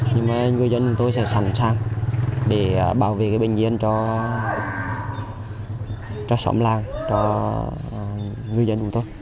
nhưng người dân chúng tôi sẽ sẵn sàng để bảo vệ bình yên cho xóm làng cho người dân chúng tôi